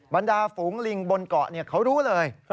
บรรดาฝูงลิงบนเกาะเขารู้เลย